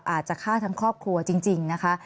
อาจจะฆ่าทั้งครอบครัวจริงนะคะ